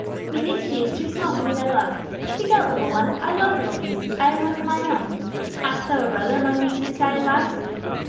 "Methinks she is too small to be thy love. Speak out, little one. I love little maids, I have one of mine own. Hast thou a brother among these misguided lads?"